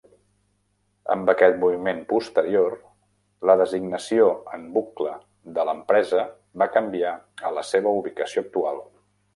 Amb aquest moviment posterior, la designació en bucle de l'empresa va canviar a la seva ubicació actual.